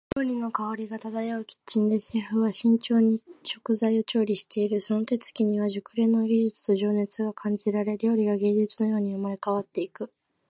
料理の香りが漂うキッチンで、シェフは慎重に食材を調理している。その手つきには熟練の技術と情熱が感じられ、料理が芸術のように生まれ変わっていく。